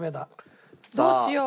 どうしよう。